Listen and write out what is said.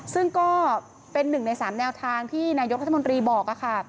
ซึ่งก็เป็นหนึ่งใน๓แนวทางที่นายกรัฐมนตรีบอกค่ะ